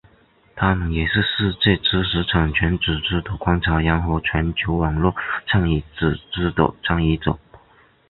他们也是世界知识产权组织的观察员和全球网络倡议组织的参与者。